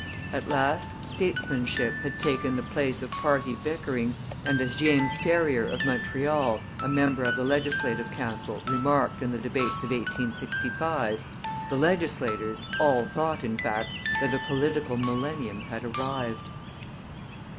At last statesmanship had taken the place of party bickering, and, as James Ferrier of Montreal, a member of the Legislative Council, remarked in the debates of 1865, the legislators 'all thought, in fact, that a political millennium had arrived.'